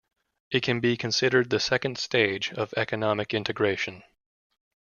It can be considered the second stage of economic integration.